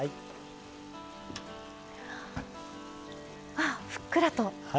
あぁふっくらと！